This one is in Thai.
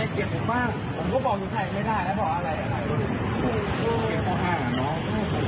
ใครเกลียดแกบ้างน้อง